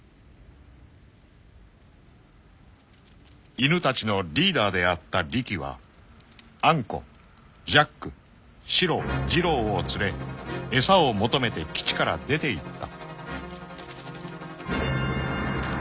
［犬たちのリーダーであったリキはアンコジャックシロジロを連れエサを求めて基地から出ていった］